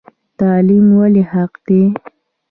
تعلیم ولې حق دی؟